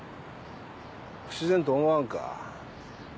不自然と思わんか？